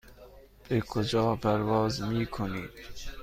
به کجا پرواز میکنید؟